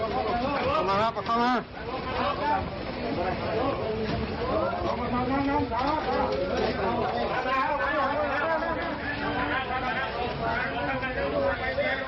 แกน้ำรวบตายแล้วสบดีดีครับแกน้ำรวบตายแล้วสินะครับ